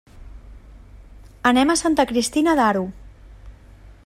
Anem a Santa Cristina d'Aro.